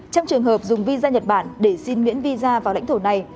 trong trường hợp dùng visa nhật bản để xin miễn visa vào lãnh thổ này